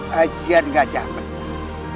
kajian gajah mendarat